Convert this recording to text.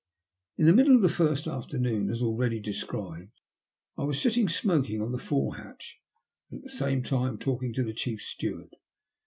In the middle of the first afternoon, as already described, I was sitting smoking on the fore hatch, and at the same time talking to the chief steward.